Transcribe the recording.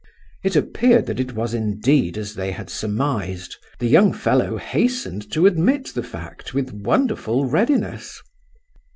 It appeared that it was indeed as they had surmised. The young fellow hastened to admit the fact with wonderful readiness.